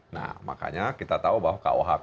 nah makanya kita tahu bahwa kuhp